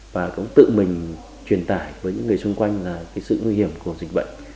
và cũng tự mình truyền tải với những người xung quanh là cái sự nguy hiểm của dịch bệnh